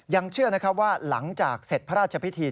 ยังเชื่อนะครับว่าหลังจากเสร็จพระราชพิธี